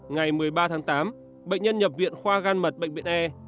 ngày một mươi ba tháng tám bệnh nhân nhập viện khoa gan mật bệnh viện e